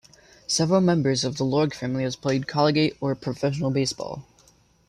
Several members of the Iorg family have played collegiate or professional baseball.